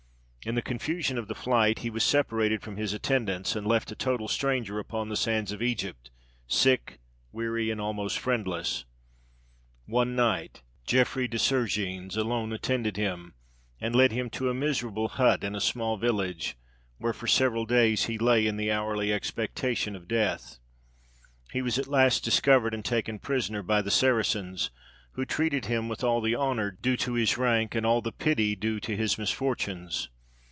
In the confusion of the flight he was separated from his attendants, and left a total stranger upon the sands of Egypt, sick, weary, and almost friendless. One knight, Geffry de Sergines, alone attended him, and led him to a miserable hut in a small village, where for several days he lay in the hourly expectation of death. He was at last discovered and taken prisoner by the Saracens, who treated him with all the honour due to his rank and all the pity due to his misfortunes.